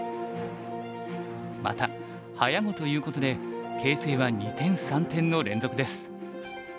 また早碁ということで形勢は二転三転の連続です。